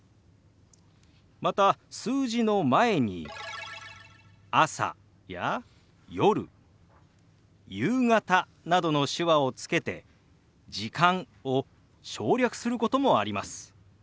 また数字の前に「朝」や「夜」「夕方」などの手話をつけて「時間」を省略することもあります。